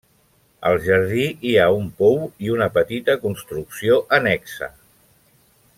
Al jardí hi ha un pou i una petita construcció annexa.